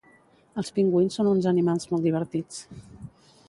Els pingüins són uns animals molt divertits.